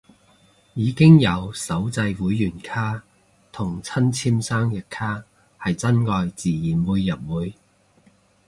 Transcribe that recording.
已經有手製會員卡同親簽生日卡，係真愛自然會入會